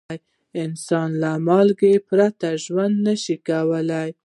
انسان له مالګې پرته ژوند نه شي کولای.